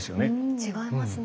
違いますね。